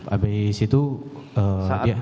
habis itu dia